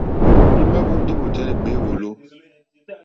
Ima hvonda rzɔ̀ i wòtèyà li gbeya èwòlò.